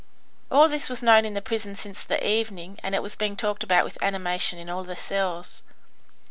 All this was known in the prison since the evening, and it was being talked about with animation in all the cells.